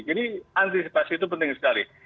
jadi antisipasi itu penting sekali